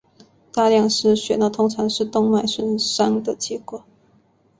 大量失血通常是动脉损伤的结果。